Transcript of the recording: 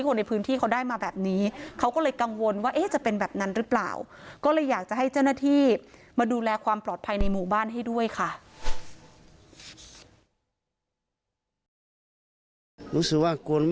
รู้สึกว่ากลัวมากถ้าไปข้างนอกลูกพันธุ์ไปหมดแล้ว